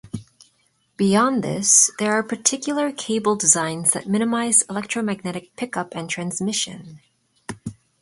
Beyond this, there are particular cable designs that minimize electromagnetic pickup and transmission.